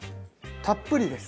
たっぷりです。